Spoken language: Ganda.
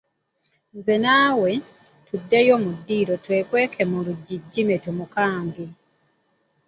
Nze naawe, tuddeyo mu ddiiro twekweke mu luggi Jimmy tumukange.